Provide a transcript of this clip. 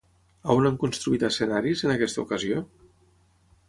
A on han construït escenaris, en aquesta ocasió?